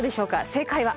正解は。